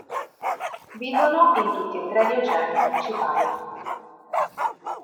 Vivono in tutti e tre gli Oceani principali.